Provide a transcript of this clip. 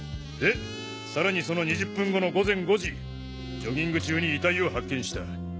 でさらにその２０分後の午前５時ジョギング中に遺体を発見した。